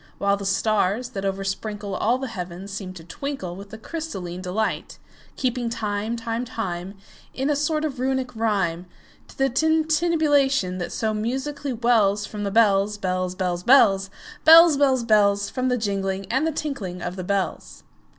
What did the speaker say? While the stars, that oversprinkleAll the heavens, seem to twinkleWith a crystalline delight; Keeping time, time, time, In a sort of Runic rhyme, To the tintinnabulation that so musically wellsFrom the bells, bells, bells, bells, Bells, bells, bells—From the jingling and the tinkling of the bells.